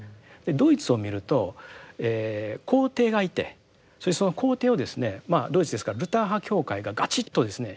ドイツを見ると皇帝がいてそれでその皇帝をですねドイツですからルター派教会がガチッとですね